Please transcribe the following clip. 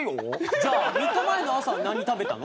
じゃあ３日前の朝は何食べたの？